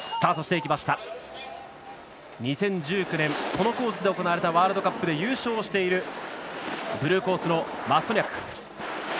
２０１９年このコースで行われたワールドカップで優勝をしているブルーコースのマストニャク。